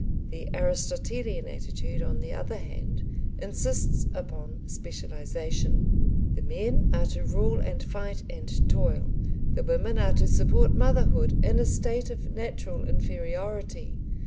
The Aristotelian attitude, on the other hand, insists upon specialisation. The men are to rule and fight and toil; the women are to support motherhood in a state of natural inferiority.